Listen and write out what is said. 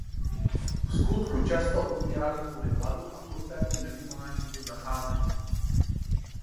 Vskutku často umírali kvůli hladu a krutému nehumánnímu zacházení.